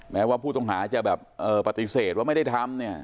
แม้ว่าผู้ต้องหาจะแบบปฏิเสธว่าไม่ได้ทำเนี่ย